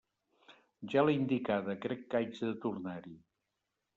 Ja l'he indicada; crec que haig de tornar-hi.